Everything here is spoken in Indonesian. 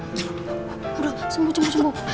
aduh sembuh sembuh sembuh